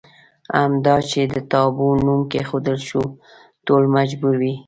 همدا چې د تابو نوم کېښودل شو ټول مجبور وي.